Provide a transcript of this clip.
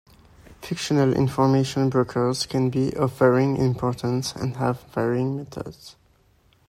Fictional information brokers can be of varying importance and have varying methods.